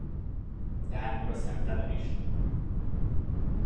Tehát maga szemtelen is?